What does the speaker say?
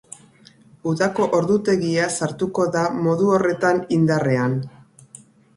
Udako ordutegia sartuko da modu horretan indarrean.